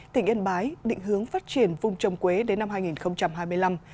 tỉnh yên bái định hướng phát triển vùng trồng quế đến năm hai nghìn hai mươi năm